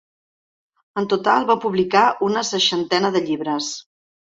En total va publicar una seixantena de llibres.